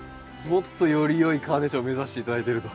もっとよりよいカーネーションを目指して頂いてると。